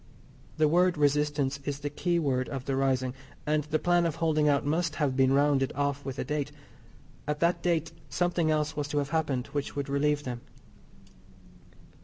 The word "resistance" is the keyword of the rising, and the plan of holding out must have been rounded off with a date. At that date something else was to have happened which would relieve them.